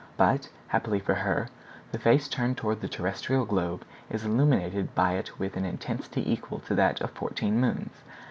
But, happily for her, the face turned toward the terrestrial globe is illuminated by it with an intensity equal to that of fourteen moons.